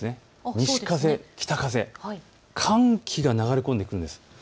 西風、北風、寒気が流れ込んでくるんです。